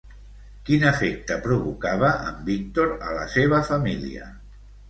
Quin efecte provocava en Víctor a la seva família?